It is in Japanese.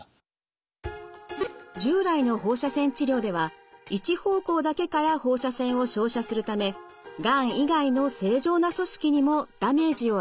従来の放射線治療では一方向だけから放射線を照射するためがん以外の正常な組織にもダメージを与えてしまいます。